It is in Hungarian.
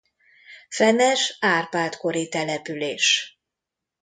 Fenes Árpád-kori település.